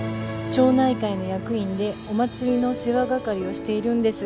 「町内会の役員でお祭りの世話係をしているんです」